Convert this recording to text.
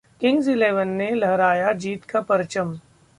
Kings Eleven ने लहराया जीत का परचम